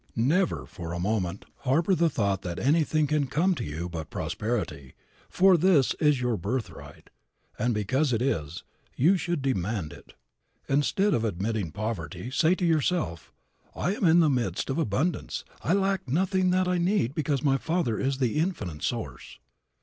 Never for a moment harbor the thought that anything can come to you but prosperity, for this is your birthright; and because it is, you should demand it. Instead of admitting poverty say to yourself, "I am in the midst of abundance. I lack nothing that I need because my Father is the Infinite Source."